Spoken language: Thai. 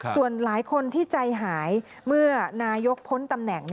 ส่วนหลายคนที่ใจหายเมื่อนายกพ้นตำแหน่ง